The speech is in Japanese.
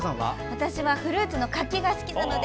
私はフルーツの柿が好きなので